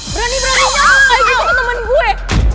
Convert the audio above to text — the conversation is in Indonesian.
berani beraninya ngomong kayak gitu ke temen gue